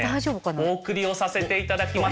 お送りをさせていただきました。